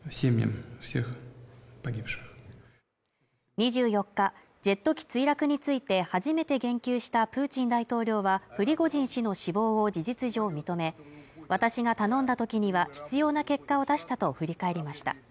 ２４日ジェット機墜落について初めて言及したプーチン大統領はプリゴジン氏の死亡を事実上認め私が頼んだ時には必要な結果を出したと振り返りました